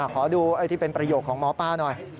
ขอดูที่เป็นประโยคของหมอป้าหน่อย